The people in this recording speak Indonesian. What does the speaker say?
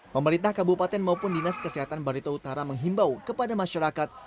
pemerintah kabupaten maupun dinas kesehatan barito utara menghimbau kepada masyarakat